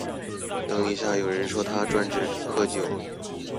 等一下有人說他專職喝酒